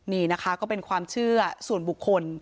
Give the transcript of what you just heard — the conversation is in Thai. นี่นะคะก็เป็นความเชื่อส่วนบุคคล